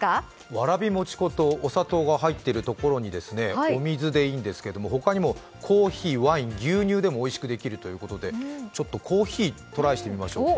わらび餅粉とお砂糖が入っているところにお水でいいんですけど、他にもコーヒー、ワイン牛乳でもおいしくできるということでコーヒートライしてみましょうか。